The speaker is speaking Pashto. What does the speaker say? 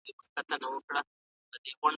دا تړون د افغانستان په تاریخ کي مهم دی.